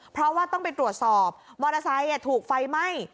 เพราะว่าต้องไปตรวจสอบมอเตอร์ไซค์ถูกไฟไหม้